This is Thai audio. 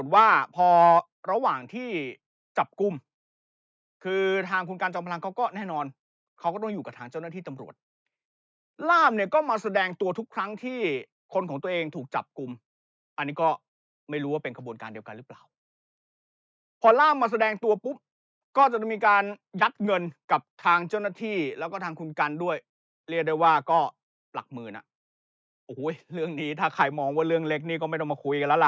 ว่าพอระหว่างที่จับกลุ้มคือทางคุณการจอมพลังเขาก็แน่นอนเขาก็ต้องอยู่กับทางเจ้าหน้าที่ตำรวจล่ามเนี้ยก็มาแสดงตัวทุกครั้งที่คนของตัวเองถูกจับกลุ้มอันนี้ก็ไม่รู้ว่าเป็นขบวนการเดียวกันหรือเปล่าพอล่ามมาแสดงตัวปุ๊บก็จะมีการยัดเงินกับทางเจ้าหน้าที่แล้วก็ทางคุณการด้วยเรียกได้ว่าก